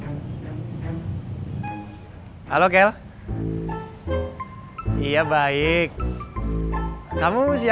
nanti aja aku ceritain disana